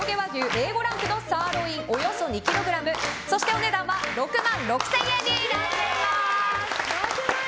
Ａ５ランクのサーロインおよそ２ｋｇお値段は６万６０００円です。